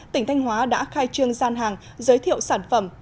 tỉnh thanh hóa đã khai trương gian hàng giới thiệu sản phẩm